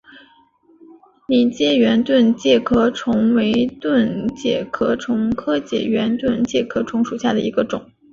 拟褐圆盾介壳虫为盾介壳虫科褐圆盾介壳虫属下的一个种。